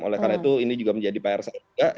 oleh karena itu ini juga menjadi pr saya juga